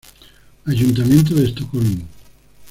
Ayuntamiento de Estocolmo